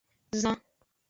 Zan.